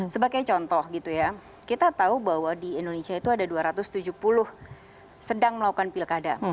sebagai contoh gitu ya kita tahu bahwa di indonesia itu ada dua ratus tujuh puluh sedang melakukan pilkada